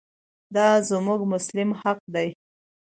دا زموږ مسلم حق دی.